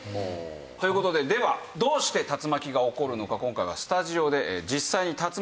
という事でではどうして竜巻が起こるのか今回はスタジオで実際に竜巻を作ります！